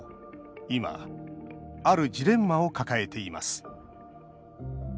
今、あるジレンマを抱えています。